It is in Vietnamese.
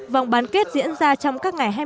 vòng bán kết diễn ra trong các ngày hai mươi bảy đêm